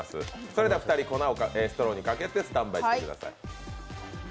それでは２人、粉をストローにかけてスタンバイしてください。